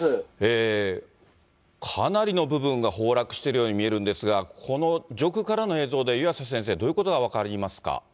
かなりの部分が崩落しているように見えるんですが、この上空からの映像で、湯浅先生、どういうことが分かりますか。